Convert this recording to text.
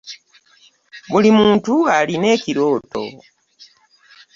Buli muntu alina ekirooto.